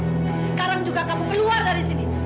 sekarang juga kamu keluar dari sini